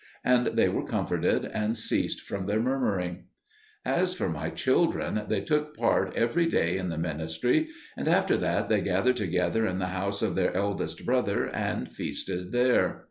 And they were comforted, and ceased from their murmuring. As for my children, they took part every day in the ministry, and after that they gathered together in the house of their eldest brother, and feasted there.